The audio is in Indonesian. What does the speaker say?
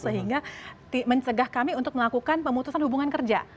sehingga mencegah kami untuk melakukan pemutusan hubungan kerja